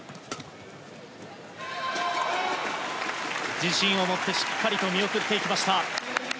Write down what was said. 自信を持ってしっかりと見送っていきました。